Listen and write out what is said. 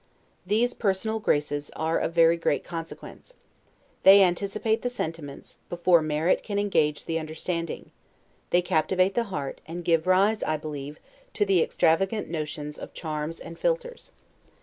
These personal graces are of very great consequence. They anticipate the sentiments, before merit can engage the understanding; they captivate the heart, and give rise, I believe, to the extravagant notions of charms and philters.